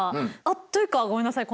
あっというかごめんなさい。